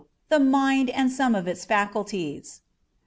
THE MIND AND SOME OF ITS FACULTIES.